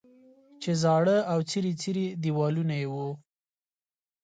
چې زاړه او څیري څیري دیوالونه یې وو.